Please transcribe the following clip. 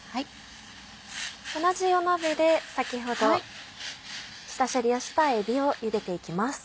同じ鍋で先ほど下処理をしたえびを茹でていきます。